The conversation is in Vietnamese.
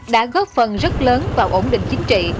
đã góp phần rất lớn vào ổn định chính trị